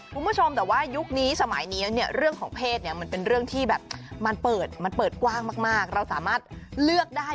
คุณผู้ชมแต่ว่ายุคนี้สมัยนี้เนี่ยเรื่องของเพศเนี่ยมันเป็นเรื่องที่แบบมันเปิดมันเปิดกว้างมากเราสามารถเลือกได้